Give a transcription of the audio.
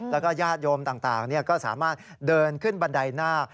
แล้วก็ญาติโยมต่างก็สามารถเดินขึ้นบันไดนาค